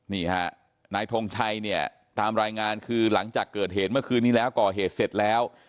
นี่ฮะนายทงชัยเนี่ยตามรายงานคือหลังจากเกิดเหตุเมื่อคืนนี้แล้วก่อเหตุเสร็จแล้ว